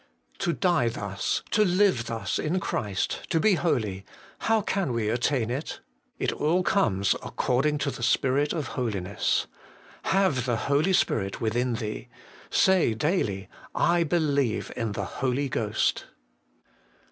4. To die thus, to live thus in Christ, to be holy how can we attain it? It all comes 'according to the Spirit of holiness.' Have the Holy Spirit within thee. Say daily, '/ believe in the Holy Ghost.'